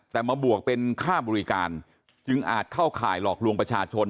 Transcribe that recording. แต่มาบวกเป็นค่าบริการจึงอาจเข้าข่ายหลอกลวงประชาชน